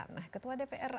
nah ketua dpr